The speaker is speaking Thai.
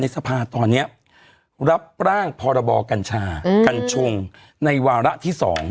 ให้สอสอในสภาพตอนนี้รับร่างพรบกัญชากัญชงในวาระที่๒